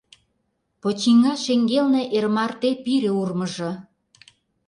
Почиҥга шеҥгелне эр марте пире урмыжо.